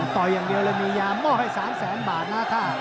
ตอยอย่างเดียวแล้วมียาม่อให้๓แสนบาทนะครับ